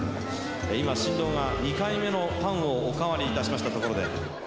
今、新郎が２回目のパンをお代わりいたしましたところで。